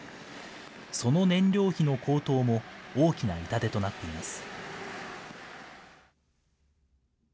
その燃料費の高騰も大きな痛手となっています。